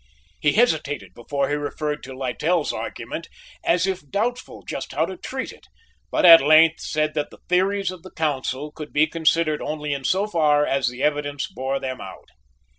He hesitated before he referred to Littell's argument as if doubtful just how to treat it, but at length said that the theories of the counsel could be considered only in so far as the evidence bore them out.